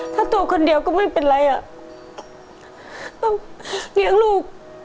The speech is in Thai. ถ้าตัวคนเดียวก็ไม่เป็นไรอ่ะต้องเลี้ยงลูก